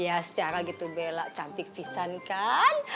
ya secara gitu bela cantik pisan kan